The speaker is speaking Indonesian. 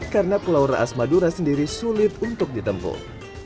karena pelauran asmadura sendiri sulit untuk ditempuh